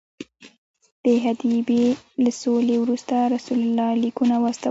د حدیبیې له سولې وروسته رسول الله لیکونه واستول.